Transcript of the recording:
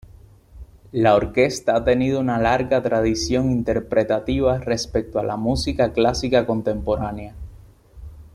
La orquesta ha tenido una larga tradición interpretativa respecto a la música clásica contemporánea.